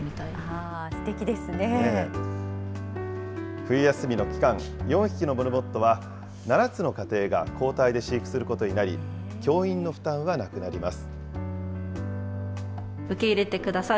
冬休みの期間、４匹のモルモットは、７つの家庭が交代で飼育することになり、教員の負担はなくなります。